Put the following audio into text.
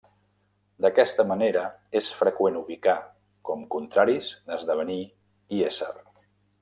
D'aquesta manera és freqüent ubicar com contraris esdevenir i ésser.